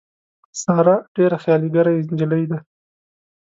ساره ډېره خیالي ګره نجیلۍ ده.